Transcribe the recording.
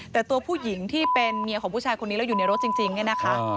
แต่ตัวผู้หญิงที่เป็นเมียของผู้ชายคนนี้แล้วอยู่ในรถจริงเนี่ยนะคะ